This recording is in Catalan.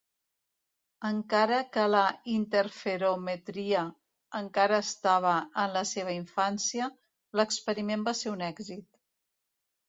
Encara que la interferometria encara estava en la seva infància, l'experiment va ser un èxit.